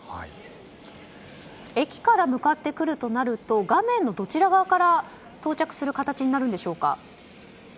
駅から向かってくるとなると画面のどちら側から到着する形になるんでしょうか。